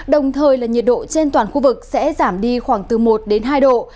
đồng thời là nhiệt độ trên toàn khu vực sẽ giảm đi khoảng từ một đến hai độ